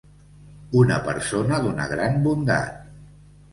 Una persona d'una gran bondat.